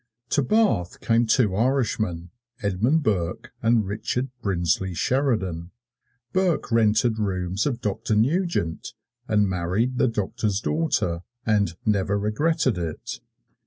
To Bath came two Irishmen, Edmund Burke and Richard Brinsley Sheridan. Burke rented rooms of Doctor Nugent, and married the doctor's daughter, and never regretted it.